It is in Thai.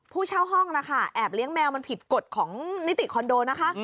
เช่าห้องนะคะแอบเลี้ยงแมวมันผิดกฎของนิติคอนโดนะคะ